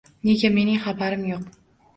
Nega mening xabarim yo`q